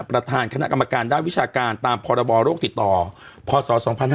ประธานคณะกรรมการด้านวิชาการตามพรบโรคติดต่อพศ๒๕๕๙